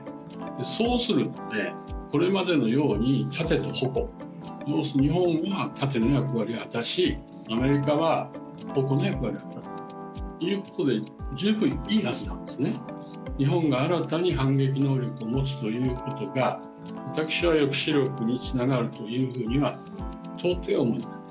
そうすると、これまでのように盾と矛、日本は盾の役割を果たしアメリカは矛の役割を果たすということで十分いいはずなんですね、日本が新たに反撃能力を持つということが、私は抑止力につながるとは到底思えない。